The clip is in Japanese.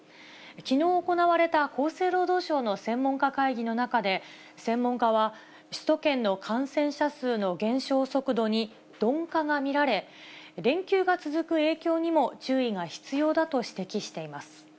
きのう行われた厚生労働省の専門家会議の中で、専門家は、首都圏の感染者数の減少速度に鈍化が見られ、連休が続く影響にも注意が必要だと指摘しています。